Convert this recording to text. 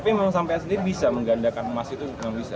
tapi memang sampai sendiri bisa menggandakan emas itu belum bisa